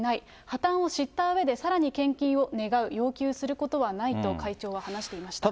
破綻を知ったうえで、さらに献金を願う、要求することはないと会長は話していました。